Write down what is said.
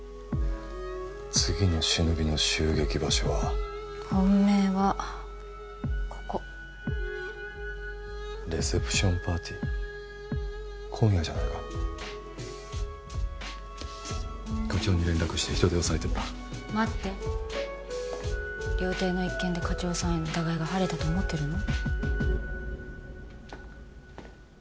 次のシノビの襲撃場所は本命はここレセプションパーティー今夜じゃないか課長に連絡して人手を割いてもらう待って料亭の一件で課長さんへの疑いが晴れたと思ってるの？